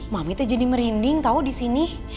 mami tuh jadi merinding tau di sini